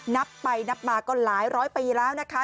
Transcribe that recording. นับไปนับมาก็หลายร้อยปีแล้วนะคะ